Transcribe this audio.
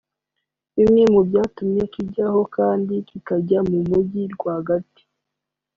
Bimwe mu byatumye kijyaho kandi kikajya mu mujyi rwagati